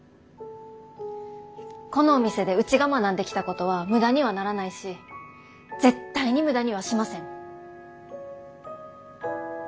このお店でうちが学んできたことは無駄にはならないし絶対に無駄にはしません！